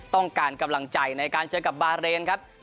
ต้องการกำลังใจในการเจอกับบาเรนครับ